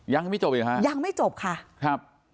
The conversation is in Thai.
ยังไม่จบอีกฮะยังไม่จบค่ะครับ